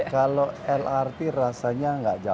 kalau lrt rasanya nggak jauh